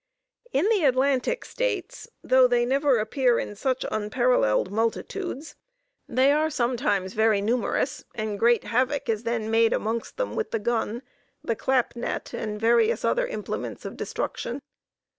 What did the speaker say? In the Atlantic States, though they never appear in such unparalleled multitudes, they are sometimes very numerous, and great havoc is then made amongst them with the gun, the clap net, and various other implements of destruction.